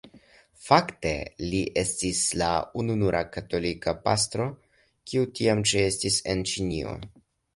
Fakte li estis la ununura katolika pastro kiu tiam ĉeestis en Ĉinio.